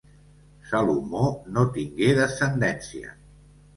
Salomó no tingué descendència.